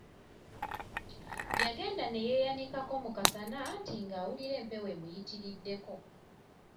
Yagenda ne yeeyanikako mu kasana anti nga awulira empewo emuyitiriddeko.